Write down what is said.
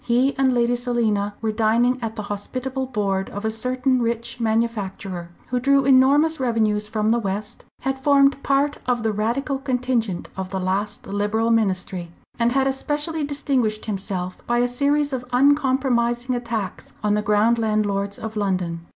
He and Lady Selina were dining at the hospitable board of a certain rich manufacturer, who drew enormous revenues from the west, had formed part of the Radical contingent of the last Liberal ministry, and had especially distinguished himself by a series of uncompromising attacks on the ground landlords of London.